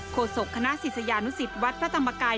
โศกคณะศิษยานุสิตวัดพระธรรมกาย